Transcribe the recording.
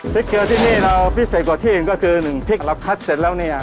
พริกเกลือที่นี่เราพิเศษกว่าที่อื่นก็คือ๑พริกเราคัดเสร็จแล้วนี่